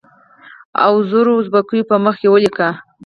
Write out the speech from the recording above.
اوو زرو اوزبیکو په مخ کې ولیک.